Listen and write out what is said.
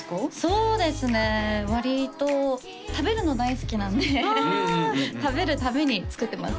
そうですね割と食べるの大好きなんで食べるために作ってます